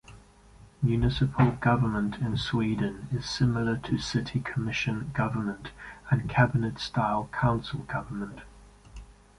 Municipal government in Sweden is similar to city commission government and cabinet-style council government.